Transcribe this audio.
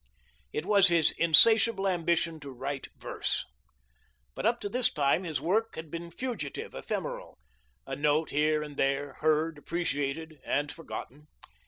It was his insatiable ambition to write verse. But up to this time, his work had been fugitive, ephemeral, a note here and there, heard, appreciated, and forgotten.